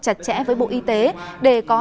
chặt chẽ với bộ y tế để có